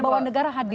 bahwa negara hadir